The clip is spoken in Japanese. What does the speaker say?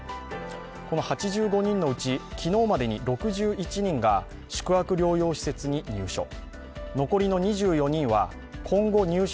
この８５人のうち昨日までに６１人が宿泊療養施設に入所。